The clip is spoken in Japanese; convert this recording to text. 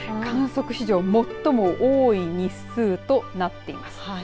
観測史上最も多い日数となっています。